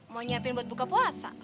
mau nyiapin buat buka puasa